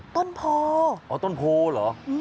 ต้นโพอ๋อต้นโพเหรอ